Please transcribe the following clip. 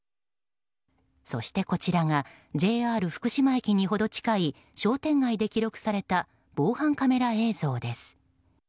そして、こちらがＪＲ福島駅にほど近い商店街で記録された防犯カメラ映像です。